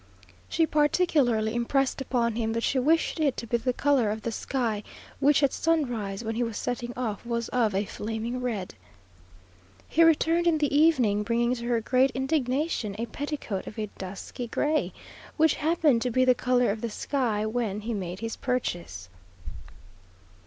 She particularly impressed upon him that she wished it to be the colour of the sky, which at sunrise, when he was setting off, was of a flaming red. He returned in the evening, bringing, to her great indignation, a petticoat of a dusky gray, which happened to be the colour of the sky when he made his purchase.